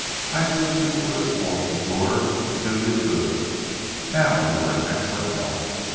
I took you for this walking tour, to do you good. Now you are in excellent health.